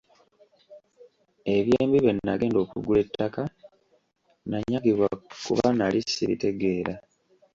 Eby'embi bwe nagenda okugula ettaka, nanyagibwa kuba nnali sibitegeera.